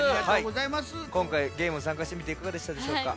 こんかいゲームにさんかしてみていかがでしたでしょうか？